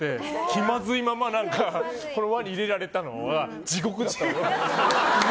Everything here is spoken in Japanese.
気まずいまま輪に入れられたのが地獄だったの。